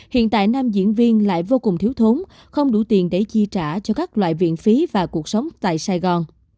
hiện tại nam diễn viên lại vô cùng thiếu thốn không đủ tiền để chi trả cho các loại viện phí và cuộc sống tại sài gòn